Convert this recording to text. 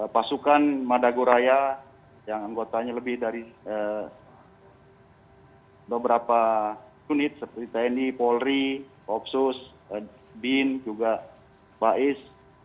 pasukan madagoraya yang anggotanya lebih dari beberapa unit seperti tni polri opsus bin juga bais